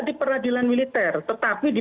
di peradilan militer tetapi di